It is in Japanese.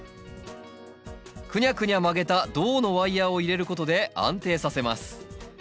くにゃくにゃ曲げた銅のワイヤーを入れることで安定させます